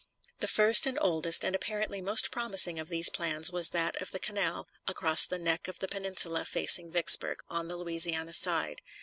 The first and oldest and apparently most promising of these plans was that of the canal across the neck of the peninsula facing Vicksburg, on the Louisiana side.